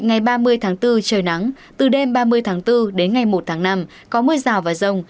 ngày ba mươi tháng bốn trời nắng từ đêm ba mươi tháng bốn đến ngày một tháng năm có mưa rào và rông